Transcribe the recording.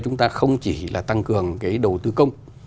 chúng ta không chỉ là tăng cường cái đầu tư công